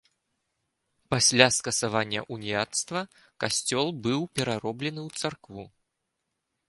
Пасля скасавання уніяцтва касцёл быў перароблены ў царкву.